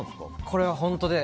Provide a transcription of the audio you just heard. これは本当で。